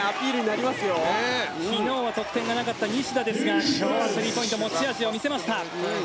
昨日は得点がなかった西田ですが、スリーポイント持ち味を見せました。